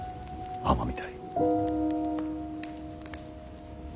尼御台！